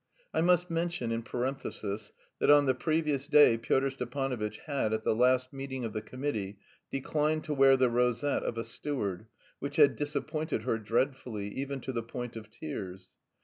I must mention, in parenthesis, that on the previous day Pyotr Stepanovitch had at the last meeting of the committee declined to wear the rosette of a steward, which had disappointed her dreadfully, even to the point of tears.